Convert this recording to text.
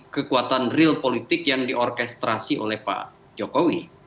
kekuatan real politik yang diorkestrasi oleh pak jokowi